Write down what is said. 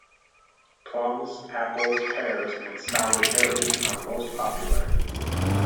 Plums, apples, pears, and sour-cherries are most popular.